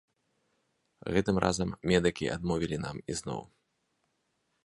Гэтым разам медыкі адмовілі нам ізноў.